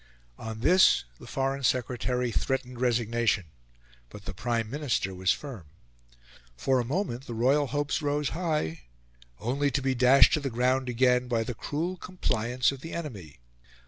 On this the Foreign Secretary threatened resignation, but the Prime Minister was firm. For a moment the royal hopes rose high, only to be dashed to the ground again by the cruel compliance of the enemy.